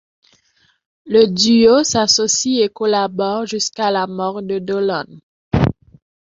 Le duo s'associe et collabore jusqu'à la mort de Dolan.